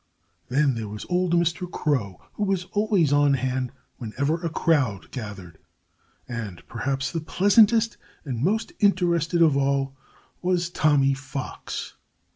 Then there was old Mr. Crow, who was always on hand whenever a crowd gathered. And perhaps the pleasantest and most interested of all was Tommy Fox.